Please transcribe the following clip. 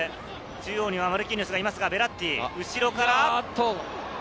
中央にはマルキーニョスがいますが、ベッラッティ、後ろから。